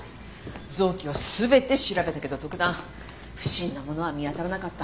臓器は全て調べたけど特段不審なものは見当たらなかった。